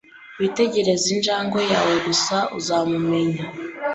Witegereze injangwe yawe gusa uzamumenya